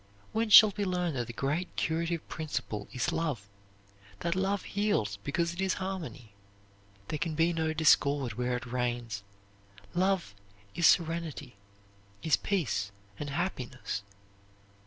When shall we learn that the great curative principle is love, that love heals because it is harmony? There can be no discord where it reigns. Love is serenity, is peace and happiness.